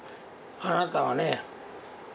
あなたはね